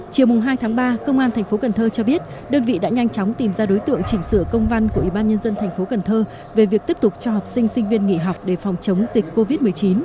chiều hai tháng ba công an tp cn cho biết đơn vị đã nhanh chóng tìm ra đối tượng chỉnh sửa công văn của ủy ban nhân dân thành phố cần thơ về việc tiếp tục cho học sinh sinh viên nghỉ học để phòng chống dịch covid một mươi chín